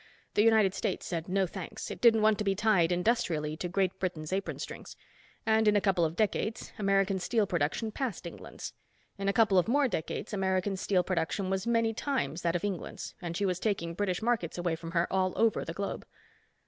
The United States said no thanks, it didn't want to be tied, industrially, to Great Britain's apron strings. And in a couple of decades American steel production passed England's. In a couple of more decades American steel production was many times that of England's and she was taking British markets away from her all over the globe."